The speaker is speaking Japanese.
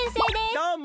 どうも！